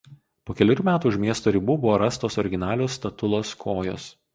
Po kelerių metų už miesto ribų buvo rastos originalios statulos kojos.